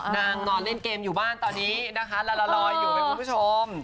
นอนเล่นเกมอยู่บ้านตอนนี้นะคะลาลอยอยู่ไหมคุณผู้ชม